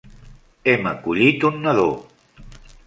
Hem acollit un nadó.